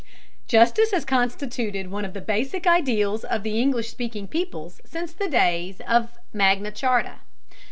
Justice has constituted one of the basic ideals of the English speaking peoples since the days of Magna Charta.